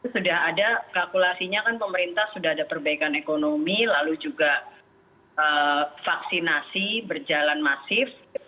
sudah ada kalkulasinya kan pemerintah sudah ada perbaikan ekonomi lalu juga vaksinasi berjalan masif